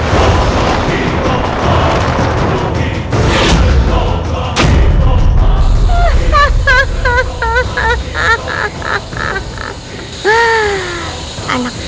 kau pikir kau bisa lari dari kejaran ini